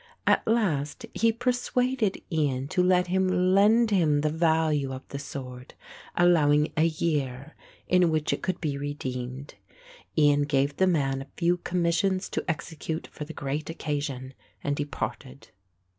At last he persuaded Ian to let him lend him the value of the sword, allowing a year in which it could be redeemed. Ian gave the man a few commissions to execute for the great occasion and departed.